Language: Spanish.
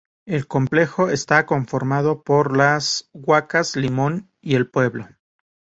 El complejo está conformado por las huacas Limón y El Pueblo.